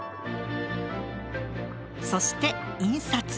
そして印刷。